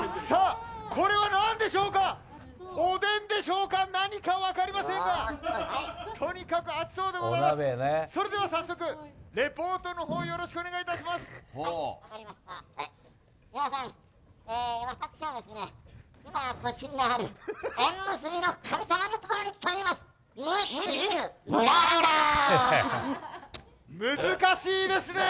それでは早速レポートのほうよろしくお願いします。